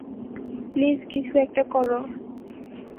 Please কিছু একটা করো!